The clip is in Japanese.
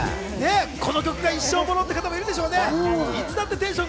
この曲が一生モノって方もいるでしょうね。